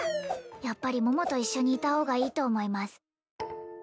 やっぱり桃と一緒にいた方がいいと思います